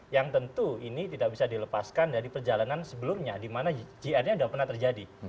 yang tentu ini tidak bisa dilepaskan dari perjalanan sebelumnya di mana jr nya sudah pernah terjadi